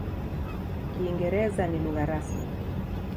Kiingereza ni lugha rasmi.